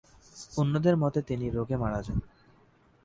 অন্যদের মতে তিনি রোগে মারা যান।